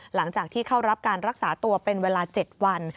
หลังจากที่เข้ารับการรักษาตัวเป็นเวลา๗วัน